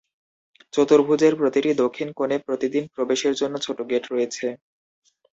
চতুর্ভুজের প্রতিটি দক্ষিণ কোণে প্রতিদিন প্রবেশের জন্য ছোট গেট রয়েছে।